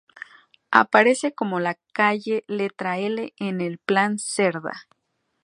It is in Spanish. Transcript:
Aparece como la calle letra L en el Plan Cerdá.